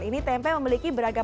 ini tempe memiliki beragam